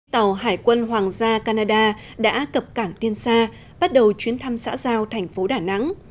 tàu hải quân hoàng gia canada đã cập cảng tiên sa bắt đầu chuyến thăm xã giao thành phố đà nẵng